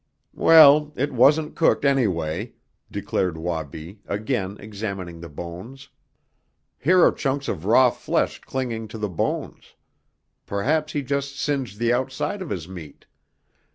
"Well, it wasn't cooked, anyway," declared Wabi, again examining the bones. "Here are chunks of raw flesh clinging to the bones. Perhaps he just singed the outside of his meat."